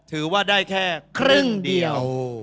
ถือว่าได้แค่ครึ่งเดียว